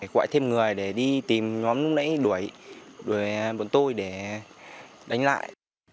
gọi thêm người để đi tìm nhóm nãy đuổi đuổi bọn tôi để đánh lại